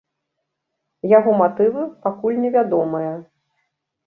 Яго матывы пакуль не вядомыя.